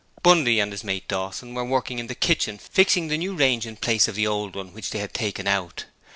Bundy and his mate Dawson were working in the kitchen fixing the new range in place of the old one which they had taken out.